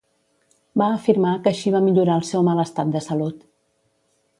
Va afirmar que així va millorar el seu mal estat de salut.